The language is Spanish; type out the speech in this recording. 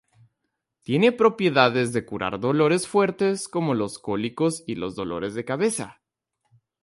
Tiene propiedades de curar dolores fuertes como los cólicos y los dolores de cabeza.